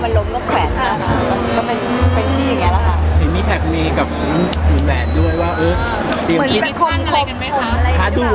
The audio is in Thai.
เหมือนชีวิตชั้นอะไรกันไหมคะ